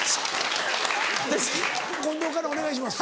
近藤からお願いします。